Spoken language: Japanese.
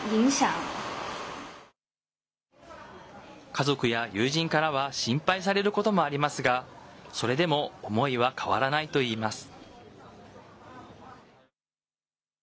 家族や友人からは心配されることもありますがそれでも思いは変わらないといいます。